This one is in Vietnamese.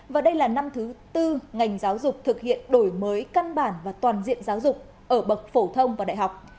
và đây là năm thứ tư ngành giáo dục thực hiện đổi mới căn bản và toàn diện giáo dục ở bậc phổ thông và đại học